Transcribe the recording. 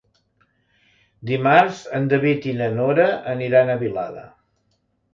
Dimarts en David i na Nora aniran a Vilada.